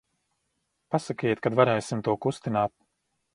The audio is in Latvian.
Pasakiet, kad varēsim to kustināt.